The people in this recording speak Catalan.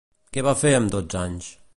Què va fer amb dotze anys?